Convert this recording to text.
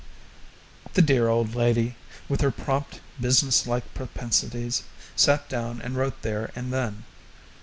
The dear old lady, with her prompt businesslike propensities, sat down and wrote there and then.